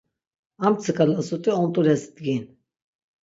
Armtsika lazut̆i ont̆ules dgin.